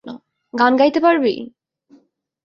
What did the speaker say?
গান গাইতে পারবি?